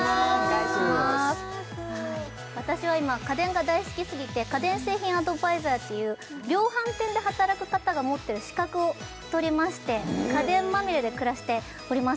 私は今家電が大好きすぎて家電製品アドバイザーっていう量販店で働く方が持ってる資格を取りまして家電まみれで暮らしております